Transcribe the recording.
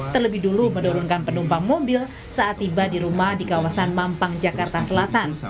terlebih dulu menurunkan penumpang mobil saat tiba di rumah di kawasan mampang jakarta selatan